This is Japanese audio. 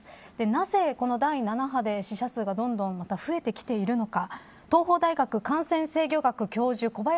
なぜこの第７波で死者数がどんどんまた増えてきているのか東邦大学感染制御学教授小林寅